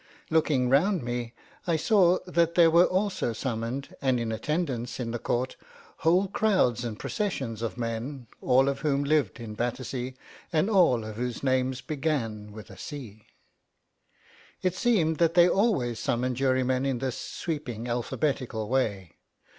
Looking round me, I saw that there were also summoned and in attendance in the court whole crowds and processions of men, all of whom lived in Battersea, and all of whose names began with a C. It seems that they always summon jurymen in this sweeping alphabetical way.